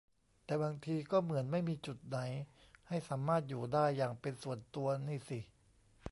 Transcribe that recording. แต่บางทีก็เหมือนไม่มีจุดไหนให้สามารถอยู่ได้อย่างเป็นส่วนตัวนี่สิ